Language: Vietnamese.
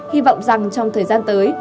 hy vọng rằng trong thời gian tới